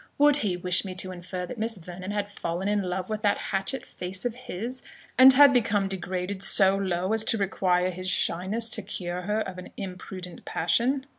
"Would he wish me to infer that Miss Vernon had fallen in love with that hatchet face of his, and become degraded so low as to require his shyness to cure her of an imprudent passion?